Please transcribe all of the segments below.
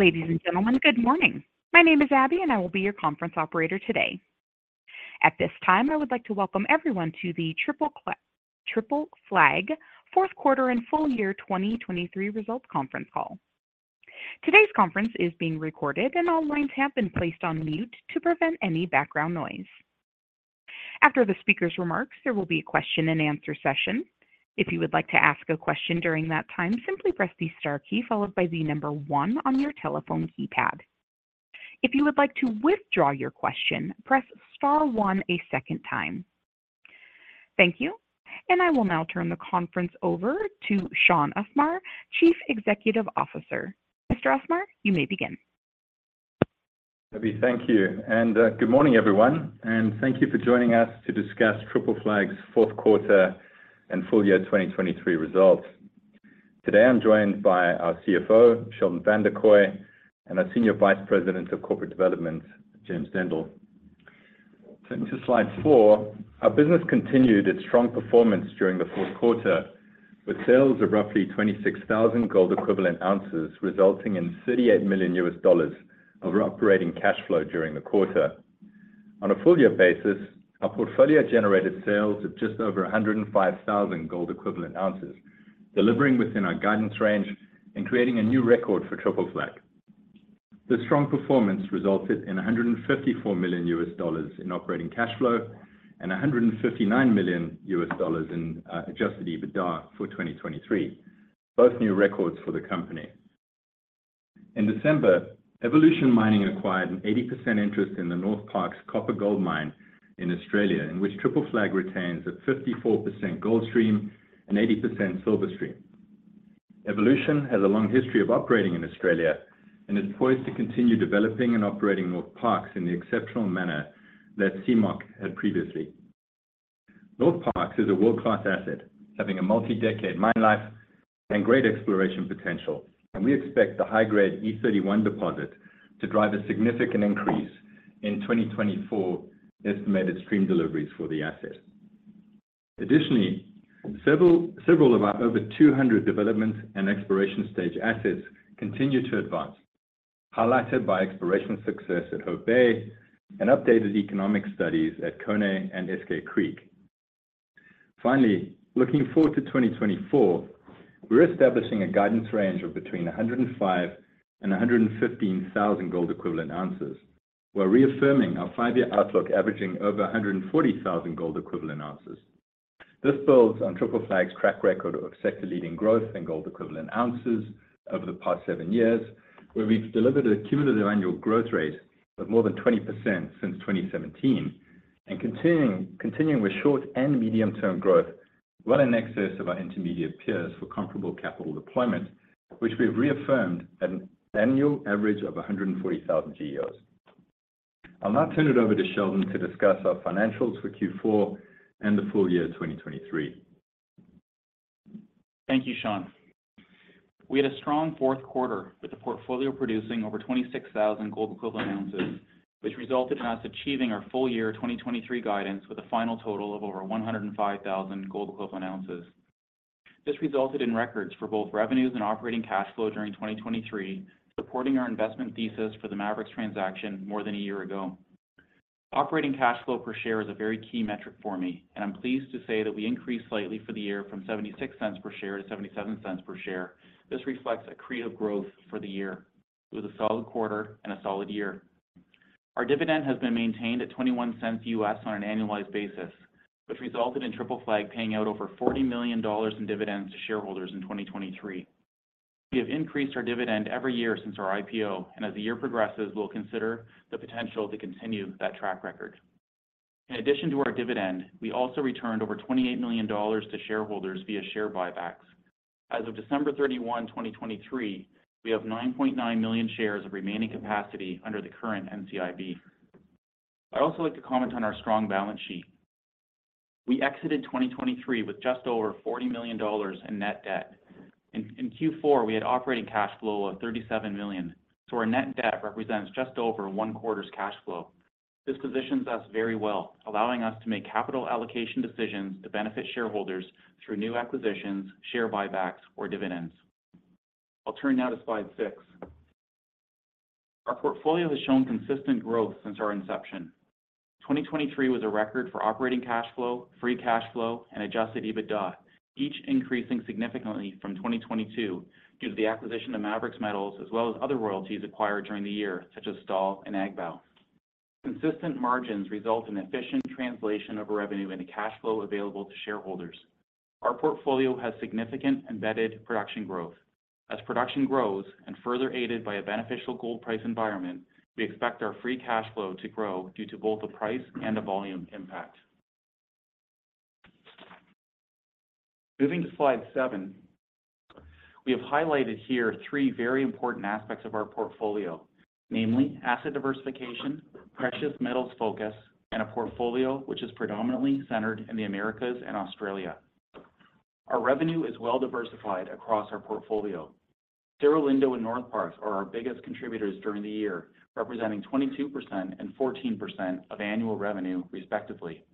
Ladies and gentlemen, good morning. My name is Abby, and I will be your conference operator today. At this time, I would like to welcome everyone to the Triple Flag fourth quarter and full year 2023 results conference call. Today's conference is being recorded, and all lines have been placed on mute to prevent any background noise. After the speaker's remarks, there will be a question-and-answer session. If you would like to ask a question during that time, simply press the star key followed by the number one on your telephone keypad. If you would like to withdraw your question, press star one a second time. Thank you, and I will now turn the conference over to Shaun Usmar, Chief Executive Officer. Mr. Usmar, you may begin. Abby, thank you. Good morning, everyone, and thank you for joining us to discuss Triple Flag's fourth quarter and full year 2023 results. Today, I'm joined by our CFO, Sheldon Vanderkooy, and our Senior Vice President of Corporate Development, James Dendle. Into slide four, our business continued its strong performance during the fourth quarter, with sales of roughly 26,000 gold equivalent ounces resulting in $38 million of operating cash flow during the quarter. On a full-year basis, our portfolio generated sales of just over 105,000 gold equivalent ounces, delivering within our guidance range and creating a new record for Triple Flag. This strong performance resulted in $154 million in operating cash flow and $159 million in adjusted EBITDA for 2023, both new records for the company. In December, Evolution Mining acquired an 80% interest in the Northparkes copper-gold mine in Australia, in which Triple Flag retains a 54% gold stream and 80% silver stream. Evolution has a long history of operating in Australia and is poised to continue developing and operating Northparkes in the exceptional manner that CMOC had previously. Northparkes is a world-class asset, having a multi-decade mine life and great exploration potential, and we expect the high-grade E31 deposit to drive a significant increase in 2024 estimated stream deliveries for the asset. Additionally, several of our over 200 development and exploration stage assets continue to advance, highlighted by exploration success at Hope Bay and updated economic studies at Koné and Eskay Creek. Finally, looking forward to 2024, we're establishing a guidance range of between 105,000 and 115,000 gold equivalent ounces, while reaffirming our five-year outlook averaging over 140,000 gold equivalent ounces. This builds on Triple Flag's track record of sector-leading growth in gold equivalent ounces over the past seven years, where we've delivered a cumulative annual growth rate of more than 20% since 2017, and continuing with short and medium-term growth while in excess of our intermediate peers for comparable capital deployment, which we have reaffirmed at an annual average of 140,000 GEOs. I'll now turn it over to Sheldon to discuss our financials for Q4 and the full year 2023. Thank you, Shaun. We had a strong fourth quarter with the portfolio producing over 26,000 gold equivalent ounces, which resulted in us achieving our full year 2023 guidance with a final total of over 105,000 gold equivalent ounces. This resulted in records for both revenues and operating cash flow during 2023, supporting our investment thesis for the Maverix transaction more than a year ago. Operating cash flow per share is a very key metric for me, and I'm pleased to say that we increased slightly for the year from $0.76 per share to $0.77 per share. This reflects a credible growth for the year, with a solid quarter and a solid year. Our dividend has been maintained at $0.21 on an annualized basis, which resulted in Triple Flag paying out over $40 million in dividends to shareholders in 2023. We have increased our dividend every year since our IPO, and as the year progresses, we'll consider the potential to continue that track record. In addition to our dividend, we also returned over $28 million to shareholders via share buybacks. As of December 31, 2023, we have 9.9 million shares of remaining capacity under the current NCIB. I'd also like to comment on our strong balance sheet. We exited 2023 with just over $40 million in net debt. In Q4, we had operating cash flow of $37 million, so our net debt represents just over one quarter's cash flow. This positions us very well, allowing us to make capital allocation decisions to benefit shareholders through new acquisitions, share buybacks, or dividends. I'll turn now to slide six. Our portfolio has shown consistent growth since our inception. 2023 was a record for operating cash flow, free cash flow, and adjusted EBITDA, each increasing significantly from 2022 due to the acquisition of Maverix Metals as well as other royalties acquired during the year, such as Stawell and Agbaou. Consistent margins result in efficient translation of revenue into cash flow available to shareholders. Our portfolio has significant embedded production growth. As production grows, and further aided by a beneficial gold price environment, we expect our free cash flow to grow due to both a price and a volume impact. Moving to slide seven, we have highlighted here three very important aspects of our portfolio, namely asset diversification, precious metals focus, and a portfolio which is predominantly centered in the Americas and Australia. Our revenue is well diversified across our portfolio. Cerro Lindo and Northparkes are our biggest contributors during the year, representing 22% and 14% of annual revenue, respectively.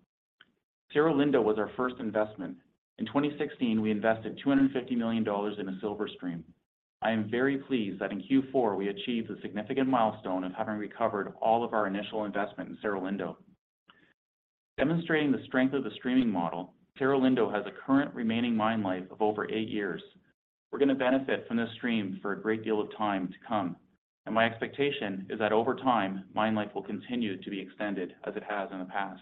Cerro Lindo was our first investment. In 2016, we invested $250 million in a silver stream. I am very pleased that in Q4 we achieved the significant milestone of having recovered all of our initial investment in Cerro Lindo. Demonstrating the strength of the streaming model, Cerro Lindo has a current remaining mine life of over eight years. We're going to benefit from this stream for a great deal of time to come, and my expectation is that over time, mine life will continue to be extended as it has in the past.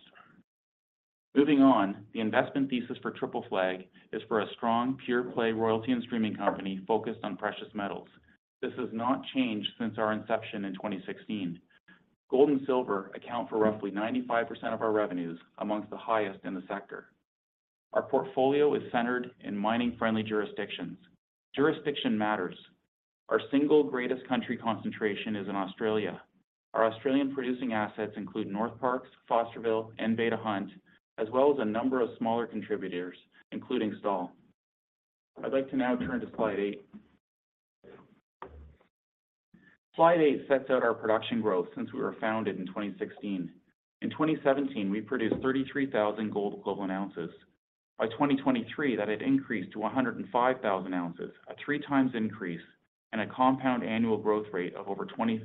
Moving on, the investment thesis for Triple Flag is for a strong, pure-play royalty and streaming company focused on precious metals. This has not changed since our inception in 2016. Gold and silver account for roughly 95% of our revenues, among the highest in the sector. Our portfolio is centered in mining-friendly jurisdictions. Jurisdiction matters. Our single greatest country concentration is in Australia. Our Australian producing assets include Northparkes, Fosterville, and Beta Hunt, as well as a number of smaller contributors, including Stawell. I'd like to now turn to slide 8. Slide 8 sets out our production growth since we were founded in 2016. In 2017, we produced 33,000 gold equivalent ounces. By 2023, that had increased to 105,000 ounces, a three-times increase and a compound annual growth rate of over 20%.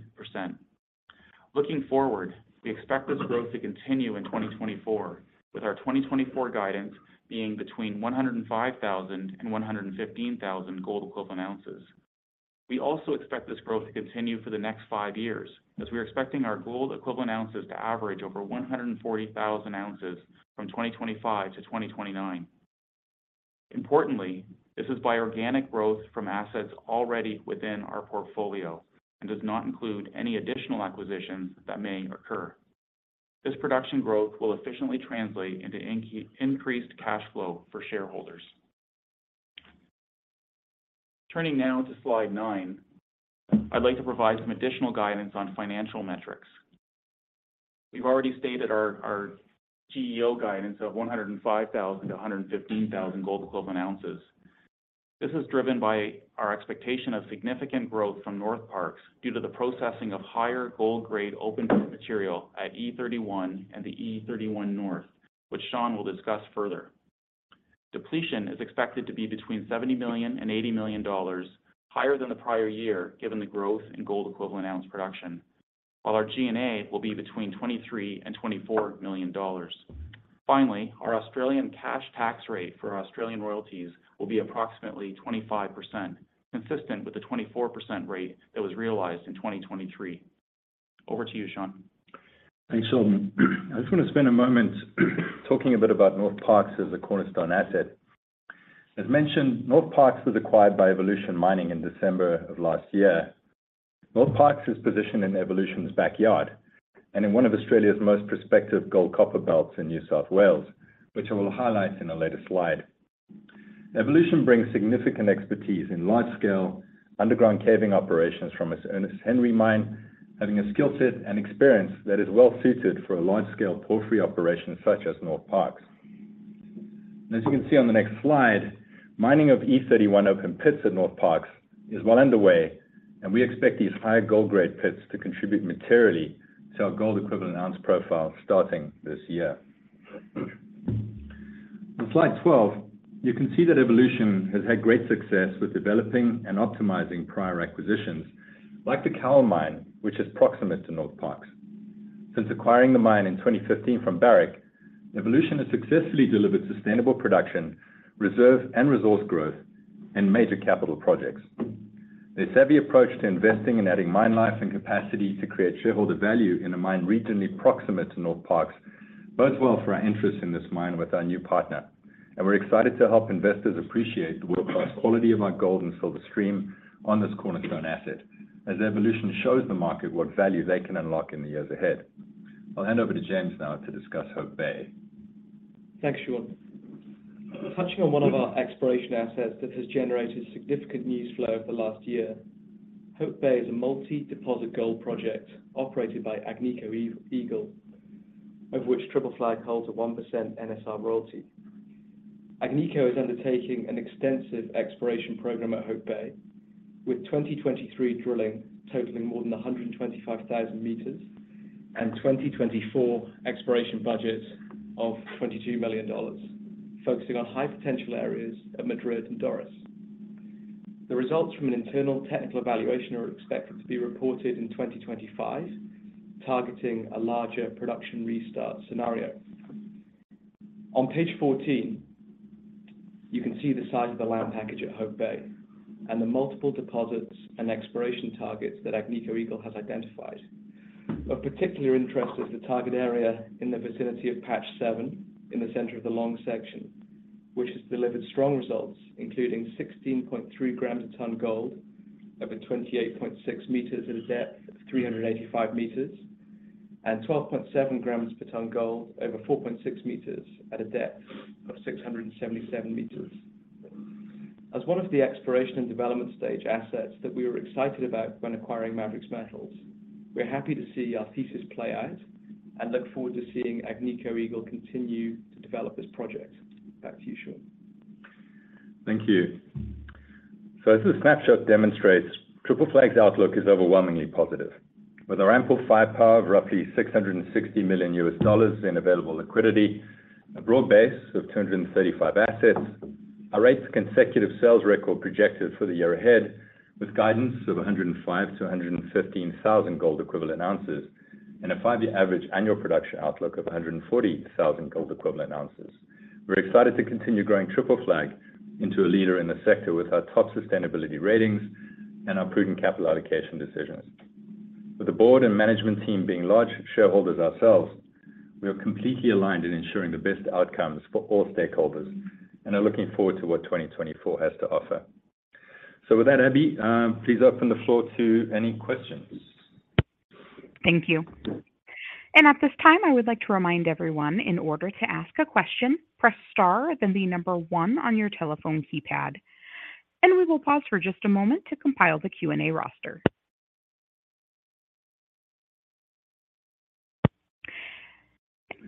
Looking forward, we expect this growth to continue in 2024, with our 2024 guidance being between 105,000 and 115,000 gold equivalent ounces. We also expect this growth to continue for the next five years, as we're expecting our gold equivalent ounces to average over 140,000 ounces from 2025-2029. Importantly, this is by organic growth from assets already within our portfolio and does not include any additional acquisitions that may occur. This production growth will efficiently translate into increased cash flow for shareholders. Turning now to slide nine, I'd like to provide some additional guidance on financial metrics. We've already stated our GEO guidance of 105,000-115,000 gold equivalent ounces. This is driven by our expectation of significant growth from Northparkes due to the processing of higher gold-grade open-pit material at E31 and the E31 North, which Shaun will discuss further. Depletion is expected to be between $70 million-$80 million, higher than the prior year given the growth in gold equivalent ounce production, while our G&A will be between $23 million-$24 million. Finally, our Australian cash tax rate for Australian royalties will be approximately 25%, consistent with the 24% rate that was realized in 2023. Over to you, Shaun. Thanks, Sheldon. I just want to spend a moment talking a bit about Northparkes as a cornerstone asset. As mentioned, Northparkes was acquired by Evolution Mining in December of last year. Northparkes is positioned in Evolution's backyard and in one of Australia's most prospective gold copper belts in New South Wales, which I will highlight in a later slide. Evolution brings significant expertise in large-scale underground caving operations from its Henty Mine, having a skill set and experience that is well-suited for a large-scale porphyry operation such as Northparkes. As you can see on the next slide, mining of E31 open pits at Northparkes is well underway, and we expect these higher gold-grade pits to contribute materially to our gold equivalent ounce profile starting this year. On slide 12, you can see that Evolution has had great success with developing and optimizing prior acquisitions, like the Cowal Mine, which is proximate to Northparkes. Since acquiring the mine in 2015 from Barrick, Evolution has successfully delivered sustainable production, reserve and resource growth, and major capital projects. Their savvy approach to investing in adding mine life and capacity to create shareholder value in a mine regionally proximate to Northparkes bodes well for our interest in this mine with our new partner, and we're excited to help investors appreciate the world-class quality of our gold and silver stream on this cornerstone asset, as Evolution shows the market what value they can unlock in the years ahead. I'll hand over to James now to discuss Hope Bay. Thanks, Shaun. Touching on one of our exploration assets that has generated significant news flow over the last year, Hope Bay is a multi-deposit gold project operated by Agnico Eagle, over which Triple Flag holds a 1% NSR royalty. Agnico is undertaking an extensive exploration program at Hope Bay, with 2023 drilling totaling more than 125,000 meters and 2024 exploration budget of $22 million, focusing on high-potential areas at Madrid and Doris. The results from an internal technical evaluation are expected to be reported in 2025, targeting a larger production restart scenario. On page 14, you can see the size of the land package at Hope Bay and the multiple deposits and exploration targets that Agnico Eagle has identified. Of particular interest is the target area in the vicinity of Patch 7 in the center of the long section, which has delivered strong results, including 16.3 grams a tonne gold over 28.6 meters at a depth of 385 meters and 12.7 grams per tonne gold over 4.6 meters at a depth of 677 meters. As one of the exploration and development stage assets that we were excited about when acquiring Maverix Metals, we're happy to see our thesis play out and look forward to seeing Agnico Eagle continue to develop this project. Back to you, Shaun. Thank you. As the snapshot demonstrates, Triple Flag's outlook is overwhelmingly positive. With our ample firepower of roughly $660 million in available liquidity, a broad base of 235 assets, our eighth consecutive sales record projected for the year ahead, with guidance of 105,000-115,000 gold equivalent ounces and a five-year average annual production outlook of 140,000 gold equivalent ounces, we're excited to continue growing Triple Flag into a leader in the sector with our top sustainability ratings and our prudent capital allocation decisions. With the board and management team being large shareholders ourselves, we are completely aligned in ensuring the best outcomes for all stakeholders and are looking forward to what 2024 has to offer. With that, Abby, please open the floor to any questions. Thank you. At this time, I would like to remind everyone, in order to ask a question, press star, then the number 1 on your telephone keypad. We will pause for just a moment to compile the Q&A roster.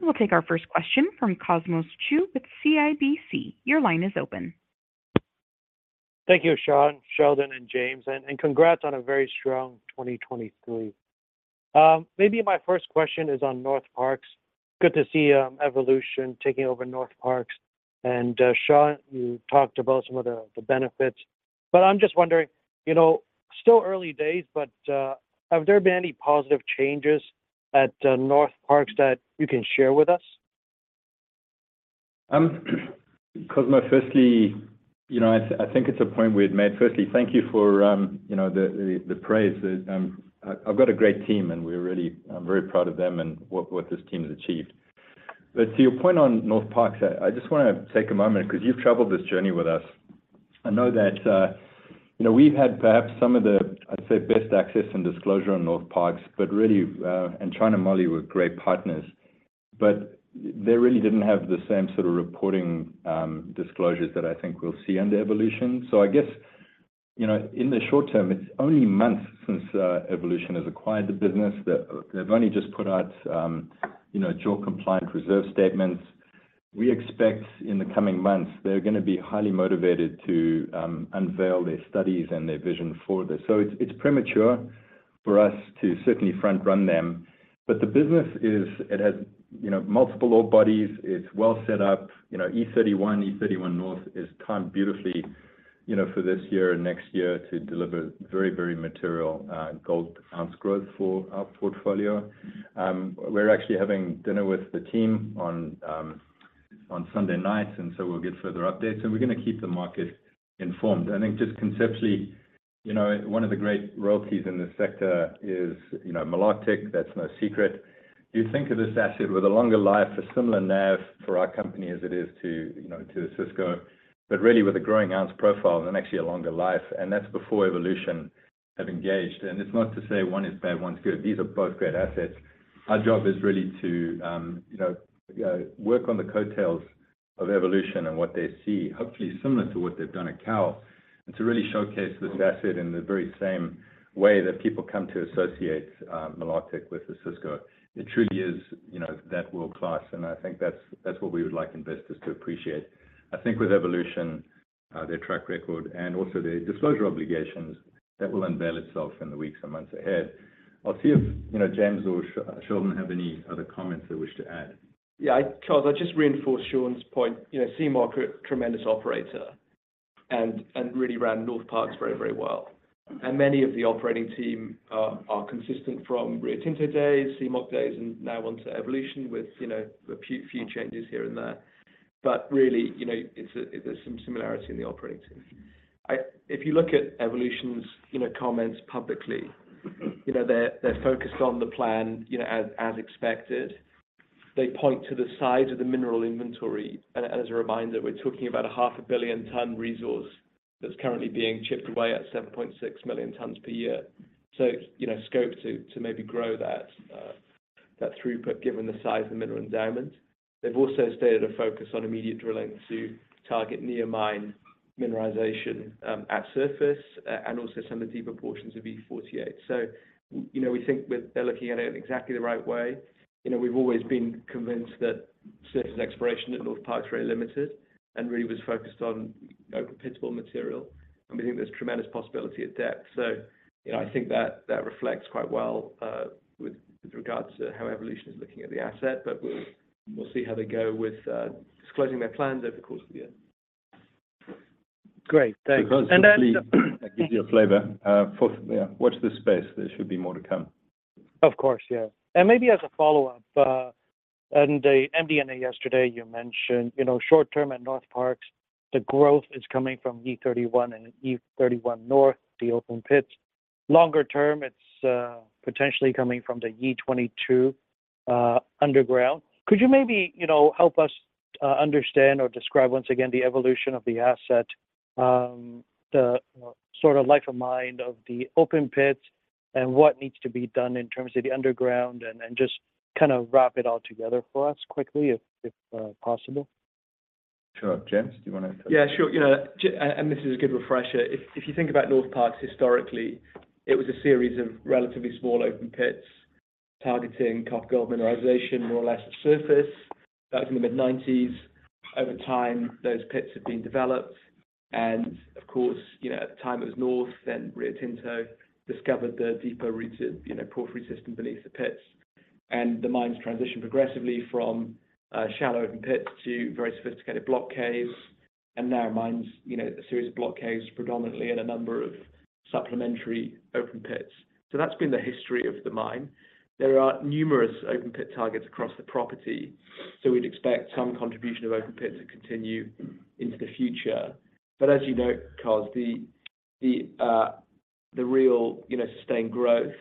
We'll take our first question from Cosmos Chiu with CIBC. Your line is open. Thank you, Shaun, Sheldon, and James. Congrats on a very strong 2023. Maybe my first question is on Northparkes. Good to see Evolution taking over Northparkes. And Shaun, you talked about some of the benefits. But I'm just wondering, still early days, but have there been any positive changes at Northparkes that you can share with us? Cosmos, firstly, I think it's a point we had made. Firstly, thank you for the praise. I've got a great team, and I'm very proud of them and what this team has achieved. But to your point on Northparkes, I just want to take a moment because you've travelled this journey with us. I know that we've had perhaps some of the, I'd say, best access and disclosure on Northparkes, and CMOC were great partners. But they really didn't have the same sort of reporting disclosures that I think we'll see under Evolution. So I guess in the short term, it's only months since Evolution has acquired the business. They've only just put out JORC-compliant reserve statements. We expect in the coming months, they're going to be highly motivated to unveil their studies and their vision forward. So it's premature for us to certainly front-run them. But the business, it has multiple ore bodies. It's well set up. E31, E31 North is timed beautifully for this year and next year to deliver very, very material gold ounce growth for our portfolio. We're actually having dinner with the team on Sunday night, and so we'll get further updates. We're going to keep the market informed. I think just conceptually, one of the great royalties in this sector is Malartic. That's no secret. Do you think of this asset with a longer life for similar NAV for our company as it is to Osisko, but really with a growing ounce profile and actually a longer life? That's before Evolution have engaged. It's not to say one is bad, one's good. These are both great assets. Our job is really to work on the coattails of Evolution and what they see, hopefully similar to what they've done at Cowal, and to really showcase this asset in the very same way that people come to associate Malartic with Osisko. It truly is that world-class. And I think that's what we would like investors to appreciate. I think with Evolution, their track record and also their disclosure obligations, that will unveil itself in the weeks and months ahead. I'll see if James or Sheldon have any other comments they wish to add. Yeah, Cosmos, I'd just reinforce Shaun's point. CMOC is a tremendous operator and really ran Northparkes very, very well. And many of the operating team are consistent from Rio Tinto days, CMOC days, and now onto Evolution with a few changes here and there. But really, there's some similarity in the operating team. If you look at Evolution's comments publicly, they're focused on the plan as expected. They point to the size of the mineral inventory. And as a reminder, we're talking about a 500 million tonne resource that's currently being chipped away at 7.6 million tonnes per year. So scope to maybe grow that throughput given the size of the mineral endowment. They've also stated a focus on immediate drilling to target near-mine mineralization at surface and also some of the deeper portions of E48. So we think they're looking at it in exactly the right way. We've always been convinced that surface exploration at Northparkes is very limited and really was focused on open-pit ore material. We think there's tremendous possibility at depth. I think that reflects quite well with regards to how Evolution is looking at the asset. We'll see how they go with disclosing their plans over the course of the year. Great. Thanks. Because that gives you a flavor. Watch this space. There should be more to come. Of course, yeah. And maybe as a follow-up, on the MD&A yesterday, you mentioned short-term at Northparkes, the growth is coming from E31 and E31 North, the open pits. Longer term, it's potentially coming from the E22 underground. Could you maybe help us understand or describe once again the evolution of the asset, the sort of life of mine of the open pits, and what needs to be done in terms of the underground? And just kind of wrap it all together for us quickly if possible. Sure. James, do you want to? Yeah, sure. This is a good refresher. If you think about Northparkes historically, it was a series of relatively small open pits targeting copper gold mineralization, more or less, at surface. That was in the mid-1990s. Over time, those pits have been developed. Of course, at the time, it was North. Then Rio Tinto discovered the deeper-rooted porphyry system beneath the pits. The mines transitioned progressively from shallow open pits to very sophisticated block caves and narrow mines, a series of block caves predominantly, and a number of supplementary open pits. That's been the history of the mine. There are numerous open pit targets across the property. We'd expect some contribution of open pit to continue into the future. But as you note, Carlos, the real sustained growth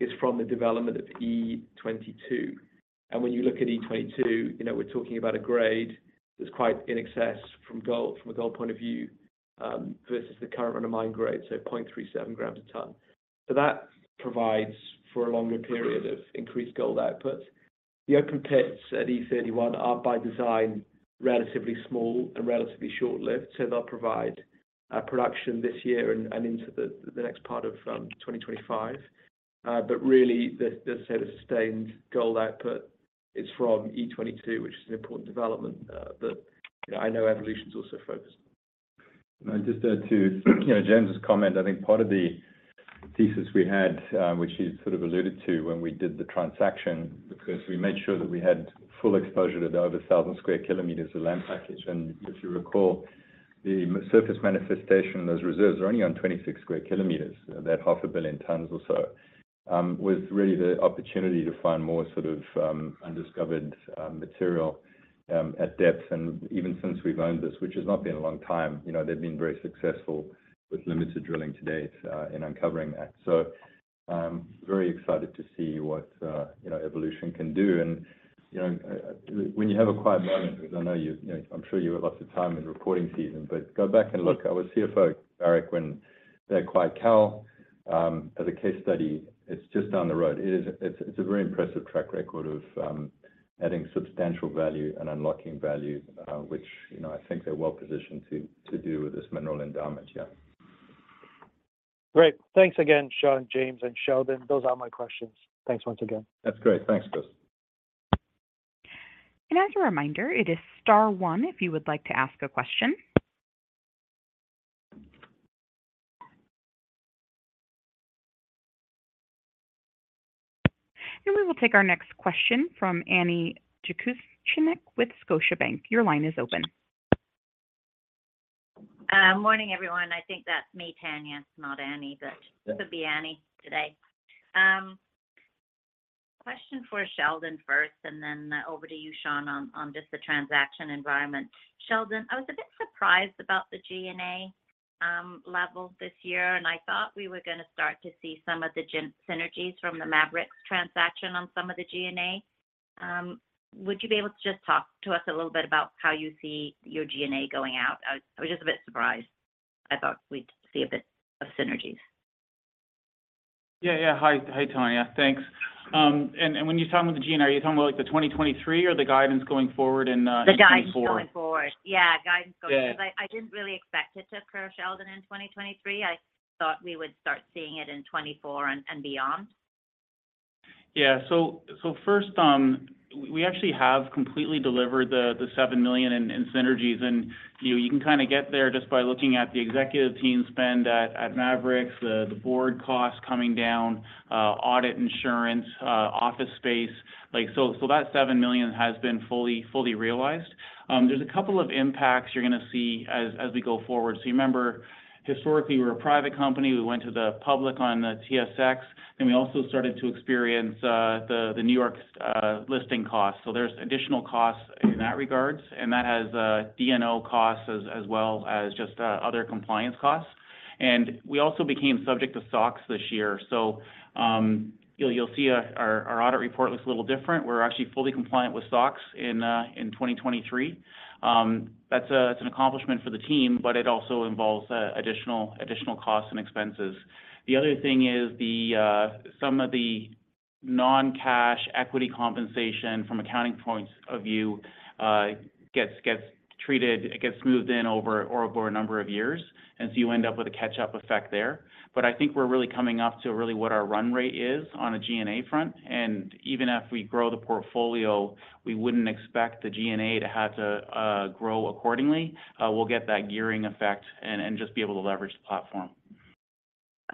is from the development of E22. When you look at E22, we're talking about a grade that's quite in excess from a gold point of view versus the current run-of-mine grade, so 0.37 grams a ton. So that provides for a longer period of increased gold output. The open pits at E31 are, by design, relatively small and relatively short-lived. So they'll provide production this year and into the next part of 2025. But really, as I say, the sustained gold output is from E22, which is an important development that I know Evolution's also focused on. And just to add to James's comment, I think part of the thesis we had, which he sort of alluded to when we did the transaction, because we made sure that we had full exposure to the over 1,000 square kilometers of land package. And if you recall, the surface manifestation of those reserves are only on 26 square kilometers, that 500 million tons or so, was really the opportunity to find more sort of undiscovered material at depth. And even since we've owned this, which has not been a long time, they've been very successful with limited drilling to date in uncovering that. So very excited to see what Evolution can do. And when you have a quiet moment, because I know you're, I'm sure you've got lots of time in reporting season, but go back and look. I was CFO at Barrick when they acquired Cowal. As a case study, it's just down the road. It's a very impressive track record of adding substantial value and unlocking value, which I think they're well positioned to do with this mineral endowment here. Great. Thanks again, Shaun, James, and Sheldon. Those are my questions. Thanks once again. That's great. Thanks, Cosmos. As a reminder, it is star one if you would like to ask a question. We will take our next question from Tanya Jakusconek with Scotiabank. Your line is open. Morning, everyone. I think that's me, Tanya. It's not Annie, but it could be Annie today. Question for Sheldon first, and then over to you, Shaun, on just the transaction environment. Sheldon, I was a bit surprised about the G&A level this year, and I thought we were going to start to see some of the synergies from the Maverix transaction on some of the G&A. Would you be able to just talk to us a little bit about how you see your G&A going out? I was just a bit surprised. I thought we'd see a bit of synergies. Yeah, yeah. Hi, Tanya. Thanks. And when you're talking about the G&A, are you talking about the 2023 or the guidance going forward in 2024? The guidance going forward. Yeah, guidance going forward. Because I didn't really expect it to occur, Sheldon, in 2023. I thought we would start seeing it in 2024 and beyond. Yeah. So first, we actually have completely delivered the $7 million in synergies. And you can kind of get there just by looking at the executive team spend at Maverix, the board costs coming down, audit insurance, office space. So that $7 million has been fully realized. There's a couple of impacts you're going to see as we go forward. So you remember, historically, we were a private company. We went to the public on the TSX. Then we also started to experience the New York listing costs. So there's additional costs in that regard. And that has D&O costs as well as just other compliance costs. And we also became subject to SOX this year. So you'll see our audit report looks a little different. We're actually fully compliant with SOX in 2023. That's an accomplishment for the team, but it also involves additional costs and expenses. The other thing is some of the non-cash equity compensation from accounting points of view gets treated. It gets smoothed in over a number of years. And so you end up with a catch-up effect there. But I think we're really coming up to really what our run rate is on a G&A front. And even if we grow the portfolio, we wouldn't expect the G&A to have to grow accordingly. We'll get that gearing effect and just be able to leverage the platform.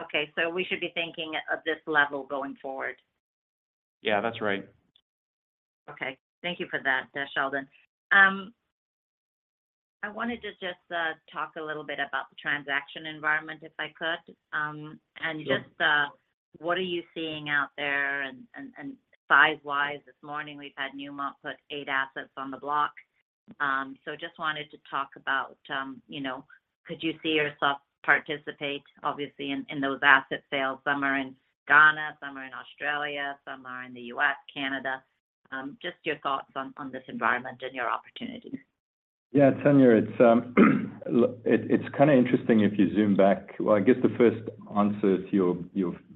Okay. So we should be thinking of this level going forward? Yeah, that's right. Okay. Thank you for that, Sheldon. I wanted to just talk a little bit about the transaction environment, if I could. Just what are you seeing out there? Size-wise, this morning, we've had Newmont put 8 assets on the block. So just wanted to talk about, could you see yourself participate, obviously, in those asset sales? Some are in Ghana, some are in Australia, some are in the U.S., Canada. Just your thoughts on this environment and your opportunities. Yeah, Tanya, it's kind of interesting if you zoom back. Well, I guess the first answer to your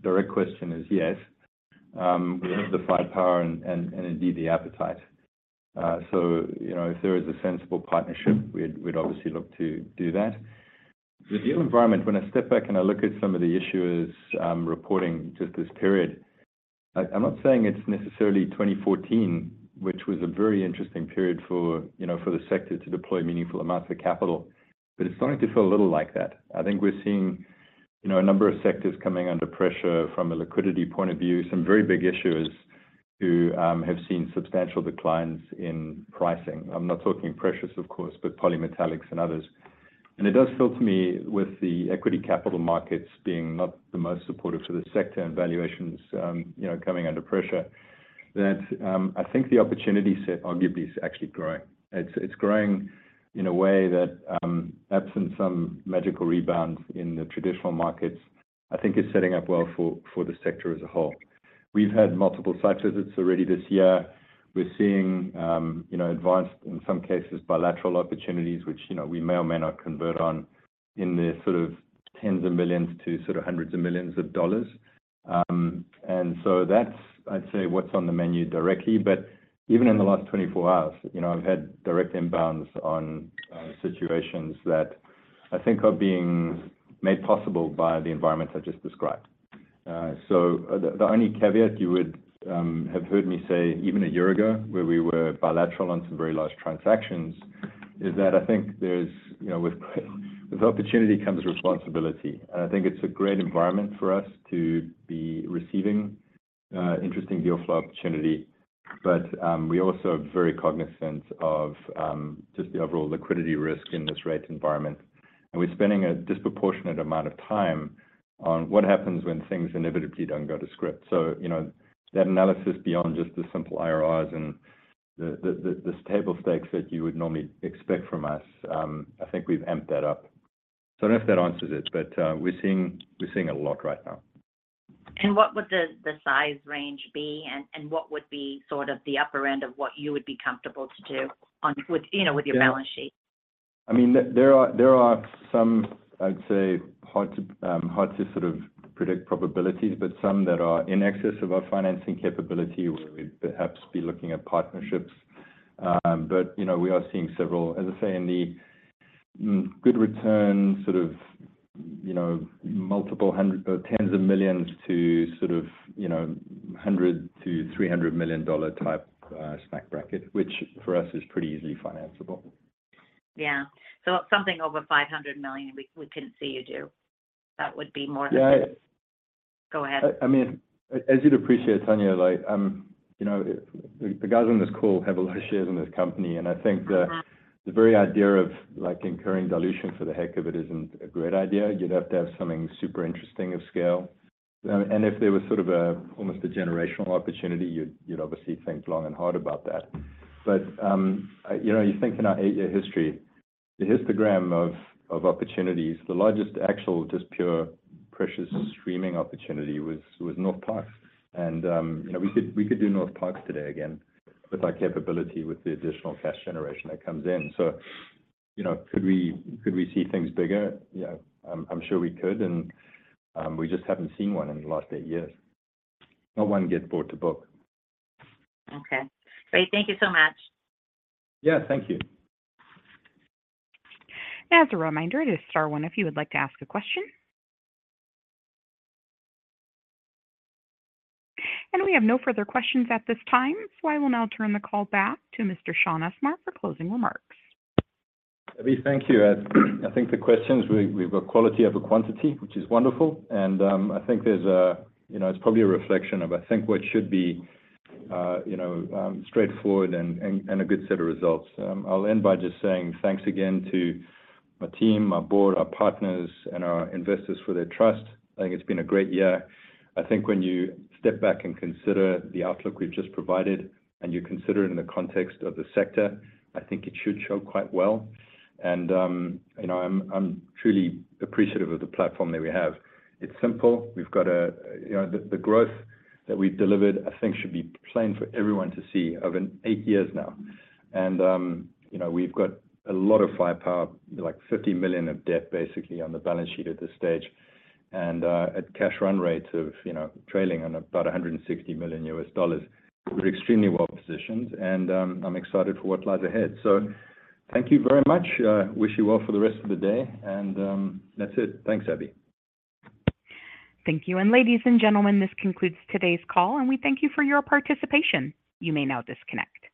direct question is yes. We have the firepower and indeed the appetite. So if there is a sensible partnership, we'd obviously look to do that. The deal environment, when I step back and I look at some of the issuers reporting just this period, I'm not saying it's necessarily 2014, which was a very interesting period for the sector to deploy meaningful amounts of capital. But it's starting to feel a little like that. I think we're seeing a number of sectors coming under pressure from a liquidity point of view, some very big issuers who have seen substantial declines in pricing. I'm not talking precious, of course, but polymetallics and others. And it does feel to me, with the equity capital markets being not the most supportive for the sector and valuations coming under pressure, that I think the opportunity set, arguably, is actually growing. It's growing in a way that, absent some magical rebound in the traditional markets, I think is setting up well for the sector as a whole. We've had multiple site visits already this year. We're seeing advanced, in some cases, bilateral opportunities, which we may or may not convert on in the sort of $10 million to sort of $100 million. And so that's, I'd say, what's on the menu directly. But even in the last 24 hours, I've had direct imbounds on situations that I think are being made possible by the environments I just described. So the only caveat you would have heard me say even a year ago, where we were bilateral on some very large transactions, is that I think with opportunity comes responsibility. And I think it's a great environment for us to be receiving interesting deal flow opportunity. But we also are very cognizant of just the overall liquidity risk in this rate environment. And we're spending a disproportionate amount of time on what happens when things inevitably don't go to script. So that analysis beyond just the simple IRRs and the table stakes that you would normally expect from us, I think we've amped that up. So I don't know if that answers it, but we're seeing a lot right now. What would the size range be? And what would be sort of the upper end of what you would be comfortable to do with your balance sheet? I mean, there are some, I'd say, hard to sort of predict probabilities, but some that are in excess of our financing capability, where we'd perhaps be looking at partnerships. But we are seeing several, as I say, in the good return sort of multiple tens of millions to sort of $100 million-$300 million type snack bracket, which for us is pretty easily financeable. Yeah. So something over $500 million, we couldn't see you do. That would be more than go ahead. I mean, as you'd appreciate, Tanya, the guys on this call have a lot of shares in this company. I think the very idea of incurring dilution, for the heck of it, isn't a great idea. You'd have to have something super interesting of scale. If there was sort of almost a generational opportunity, you'd obviously think long and hard about that. But you think in our eight-year history, the histogram of opportunities, the largest actual, just pure precious streaming opportunity was Northparkes. We could do Northparkes today again with our capability, with the additional cash generation that comes in. So could we see things bigger? I'm sure we could. We just haven't seen one in the last eight years. Not one get bought to book. Okay. Great. Thank you so much. Yeah, thank you. As a reminder, it is star one if you would like to ask a question. We have no further questions at this time. I will now turn the call back to Mr. Shaun Usmar for closing remarks. Abby, thank you. I think the questions, we've got quality over quantity, which is wonderful. And I think there's, it's probably a reflection of, I think, what should be straightforward and a good set of results. I'll end by just saying thanks again to my team, my board, our partners, and our investors for their trust. I think it's been a great year. I think when you step back and consider the outlook we've just provided and you consider it in the context of the sector, I think it should show quite well. And I'm truly appreciative of the platform that we have. It's simple. We've got the growth that we've delivered, I think, should be plain for everyone to see of eight years now. And we've got a lot of firepower, like $50 million of debt, basically, on the balance sheet at this stage. At cash run rates of trailing on about $160 million, we're extremely well positioned. I'm excited for what lies ahead. Thank you very much. Wish you well for the rest of the day. That's it. Thanks, Abby. Thank you. Ladies and gentlemen, this concludes today's call. We thank you for your participation. You may now disconnect.